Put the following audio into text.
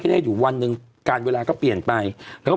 ต่างกับไอ้ไข่ตรงไหนอะ